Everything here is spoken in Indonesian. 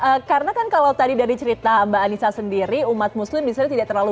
oke karena kan kalau tadi dari cerita mbak anissa sendiri umat muslim misalnya tidak terlalu